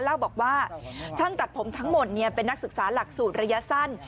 เล่าบอกว่าช่างตัดผมทั้งหมดเป็นนักศึกษาหลักสูตรระยะสั้น